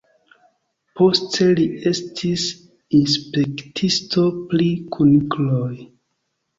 Poste li estis inspektisto pri kunikloj.